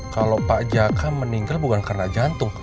kalau pak jaka meninggal bukan karena jantung